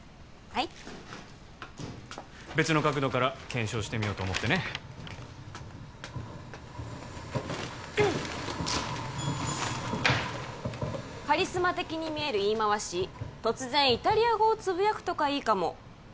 はい別の角度から検証してみようと思ってね「カリスマ的に見える言い回し」「突然イタリア語をつぶやくとかいいかも」